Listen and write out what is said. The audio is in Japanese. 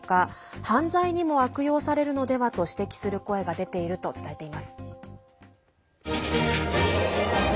犯罪にも悪用されるのではと指摘する声が出ていると伝えています。